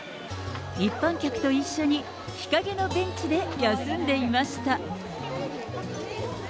一般客と一緒に日陰のベンチで休んでいました。